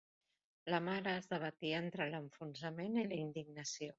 La mare es debatia entre l'enfonsament i la indignació.